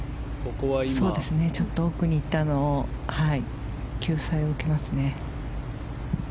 ちょっと奥にいって救済を受けますね。